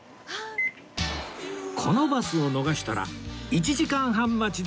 このバスを逃したら１時間半待ちでした